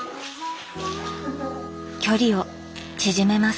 距離を縮めます。